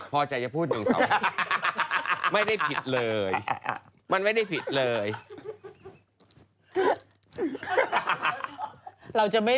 พอเจออย่าพูดไม่ได้ผิดเลยมันไม่ได้ผิดเลยเราจะไม่